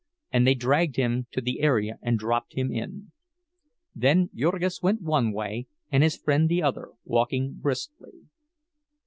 and they dragged him to the area and dropped him in. Then Jurgis went one way and his friend the other, walking briskly.